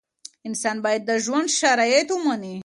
انسان باید د ژوند شرایط ومني.